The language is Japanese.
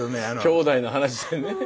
兄弟の話でね。